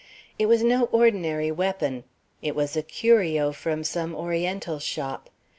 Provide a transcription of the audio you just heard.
It was no ordinary weapon. It was a curio from some oriental shop.